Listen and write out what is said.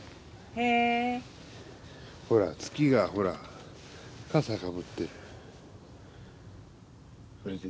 ほら月がほらかさかぶってる。